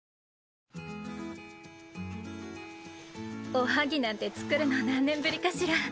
おはぎなんて作るの何年ぶりかしら。